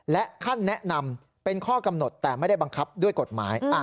และขั้นแนะนำเป็นข้อกำหนดแต่ไม่ได้บังคับด้วยกฎหมาย